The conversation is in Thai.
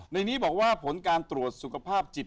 ในนี้บอกว่าผลการตรวจสุขภาพจิต